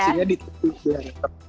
sini di putul